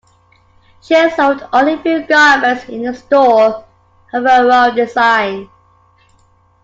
She sold only a few garments in the store of her own design.